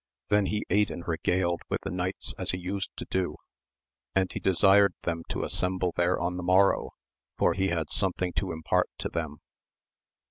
Then he ate and regaled with the knights as he used to do, and he desired them to assemble there on the morrow, for he had something to impart to them.